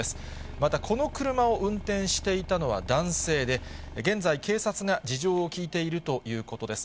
またこの車を運転していたのは男性で、現在、警察が事情を聴いているということです。